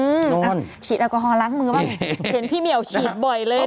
ฉีดแอลกอฮอลล้างมือบ้างเห็นพี่เหมียวฉีดบ่อยเลย